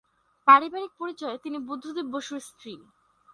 পারিবারিক পরিচয়ে তিনি বুদ্ধদেব বসুর স্ত্রী।